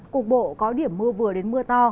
cuộc bộ có điểm mưa vừa đến mưa to